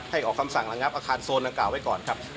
ให้เขาคำสั่งระรงับอาคารโซนอากาศไว้ก่อน